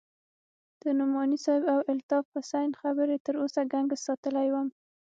د نعماني صاحب او الطاف حسين خبرې تر اوسه گنگس ساتلى وم.